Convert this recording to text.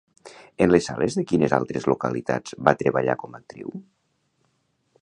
En les sales de quines altres localitats va treballar com a actriu?